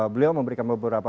beliau memberikan beberapa